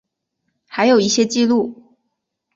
还有一些记录